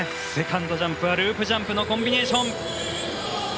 セカンドジャンプはループジャンプのコンビネーション。